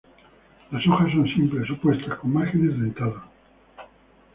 Las hojas son simples, opuestas, con márgenes dentados.